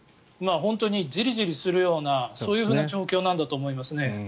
本当にじりじりするようなそういう状況なんだと思います。